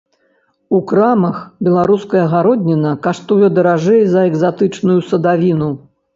У крамах беларуская гародніна каштуе даражэй за экзатычную садавіну.